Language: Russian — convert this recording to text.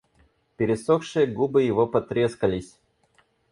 Пересохшие губы его потрескались.